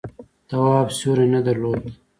تواب سیوری نه درلود.